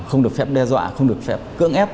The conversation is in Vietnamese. không được phép đe dọa không được phép cưỡng ép